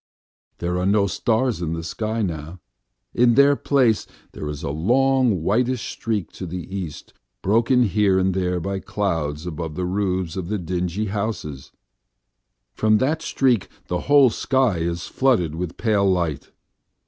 There are no stars in the sky now: in their place there is a long whitish streak in the east, broken here and there by clouds above the roofs of the dingy houses; from that streak the whole sky is flooded with pale light.